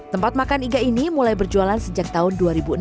tempat makan iga ini mulai berjualan sejak tahun dua ribu enam